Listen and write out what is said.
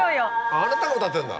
あなたが歌ってるんだ。